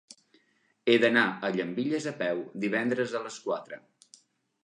He d'anar a Llambilles a peu divendres a les quatre.